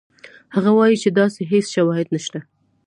هغه وایي چې داسې هېڅ شواهد نشته.